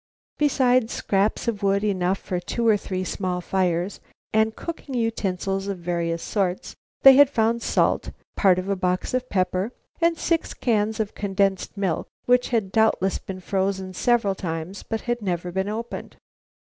Besides scraps of wood enough for two or three small fires, and cooking utensils of various sorts, they had found salt, a part of a box of pepper, and six cans of condensed milk which had doubtless been frozen several times but had never been opened.